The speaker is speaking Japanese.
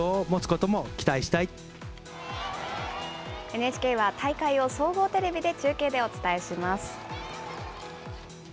ＮＨＫは、大会を総合テレビで中継でお伝えします。